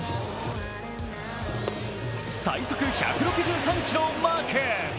最速１６３キロをマーク！